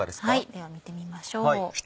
では見てみましょう。